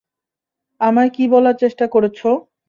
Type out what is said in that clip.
আমায় কী বলার চেষ্টা করছো?